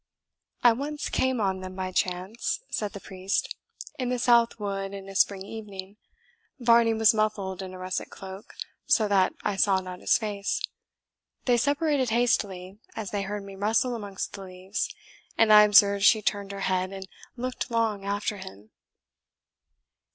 "I once came on them by chance," said the priest, "in the South wood, in a spring evening. Varney was muffled in a russet cloak, so that I saw not his face. They separated hastily, as they heard me rustle amongst the leaves; and I observed she turned her head and looked long after him."